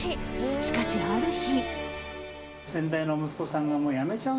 しかし、ある日。